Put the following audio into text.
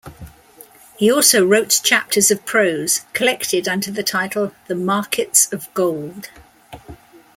He also wrote chapters of prose, collected under the title: "The Markets of Gold".